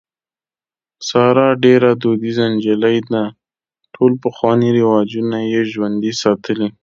ساره ډېره دودیزه نجلۍ ده. ټول پخواني رواجونه یې ژوندي ساتلي.